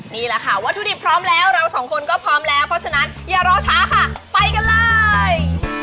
นี่แหละค่ะวัตถุดิบพร้อมแล้วเราสองคนก็พร้อมแล้วเพราะฉะนั้นอย่ารอช้าค่ะไปกันเลย